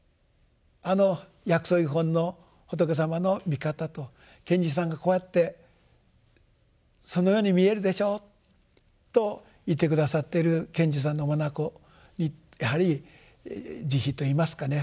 あの「薬草喩品」の仏様の見方と賢治さんがこうやってそのように見えるでしょうと言って下さっている賢治さんの眼にやはり慈悲といいますかね